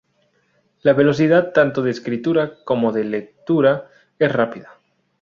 La velocidad tanto de escritura como de lectura, es rápida.